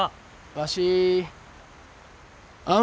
わしあん